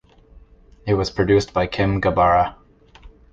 It was produced by Kim Gabara.